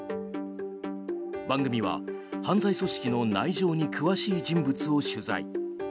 番組は、犯罪組織の内情に詳しい人物を取材。